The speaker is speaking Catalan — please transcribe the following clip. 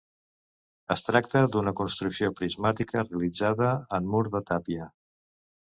Es tracta d'una construcció prismàtica realitzada en mur de tàpia.